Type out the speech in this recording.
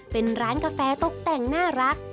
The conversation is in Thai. เป็นร้านกาแฟตกแต่งน่ารัก